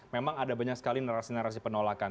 memang ada banyak sekali narasi narasi penolakan